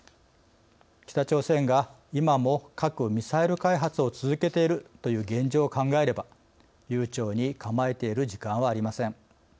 北朝鮮が今も核・ミサイル開発を続けているという現状を考えれば悠長に構えている時間はありません。